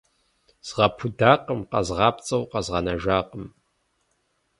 Згъэпудакъым, къэзгъапцӏэу къэзгъэнэжакъым.